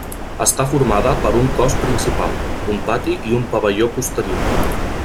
Està formada per un cos principal, un pati i un pavelló posterior.